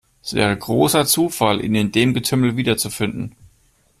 Es wäre großer Zufall, ihn in dem Getümmel wiederzufinden.